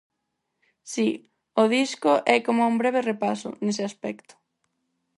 Si, o disco é coma un breve repaso, nese aspecto.